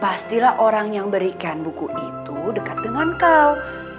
pastilah orang yang berikan buku itu dekat dengan kau